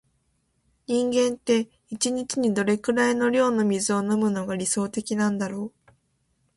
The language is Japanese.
人間って、一日にどれくらいの量の水を飲むのが理想的なんだろう。